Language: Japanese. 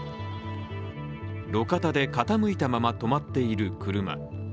路肩で傾いたまま止まっている車。